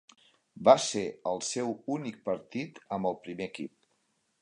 Va ser el seu únic partit amb el primer equip.